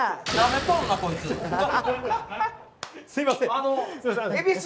すいません。